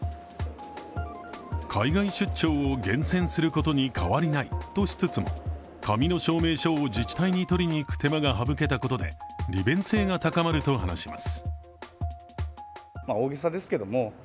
海外出張を厳選することに変わりないとしつつも、紙の証明書を自治体に取りにいく手間が省けたことで利便性が高まると話します。